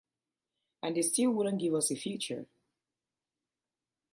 And they still wouldn't give us a feature.